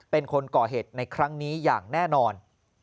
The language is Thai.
เป็นคนก่อเหตุในครั้งนี้อย่างแน่นอน